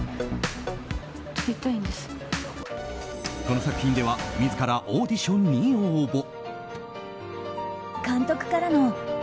この作品では自らオーディションに応募。